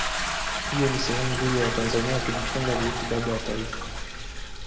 hiyo ni sehemu nzuri ya watanzania kujifunza kuhusu baba wa taifa